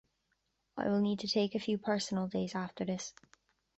I will need to take a few personal days after this.